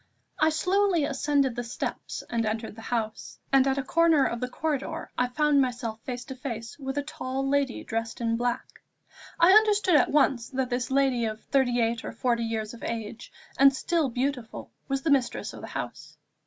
I SLOWLY ascended the steps and entered the house, and at a corner of the corridor I found myself face to face with a tall lady dressed in black. I understood at once that this lady of thirty eight or forty years of age, and still beautiful, was the mistress of the house.